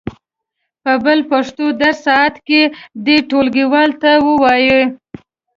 په بل پښتو درسي ساعت کې دې ټولګیوالو ته و وایي.